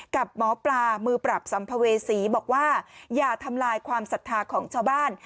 กับหมอปลามือปราบสัมภเวษีบอกว่าอย่าทำลายความศรัทธาของชาวบ้าน